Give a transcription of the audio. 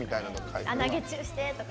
「投げチューして」とか。